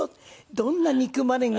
どんな憎まれ口